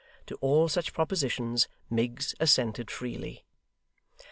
To all such propositions Miggs assented freely.